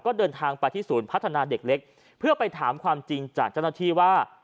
ก็เดินทางไปที่ศูนย์พัฒนาเด็กเล็กเพื่อไปถามความจริงจากเจ้าหน้าที่ว่า